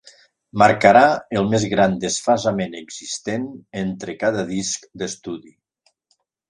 Marcarà el més gran desfasament existent entre cada disc d"estudi.